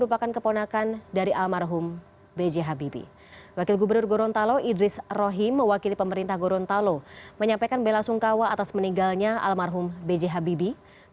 rusli habibie sendiri merupakan keponakan dari almarhum b j habibie